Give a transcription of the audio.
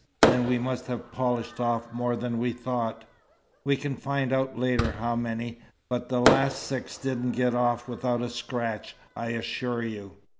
Then we must have polished off more than we thought." "We can find out later how many. But the last six didn't get off without a scratch, I assure you.